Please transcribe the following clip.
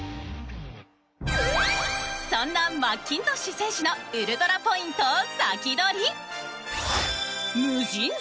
そんなマッキントッシュ選手のウルトラポイントをサキドリ！